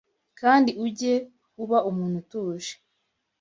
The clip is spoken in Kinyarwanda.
kandi ujye uba umuntu utuje,